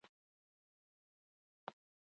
که پېیر کوري د موادو پرتله ونه کړي، پایله به ناسم وي.